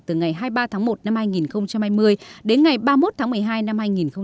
từ ngày hai mươi ba tháng một năm hai nghìn hai mươi đến ngày ba mươi một tháng một mươi hai năm hai nghìn hai mươi